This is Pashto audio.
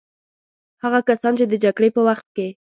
هغه کسان چې د جګړې په وخت کې.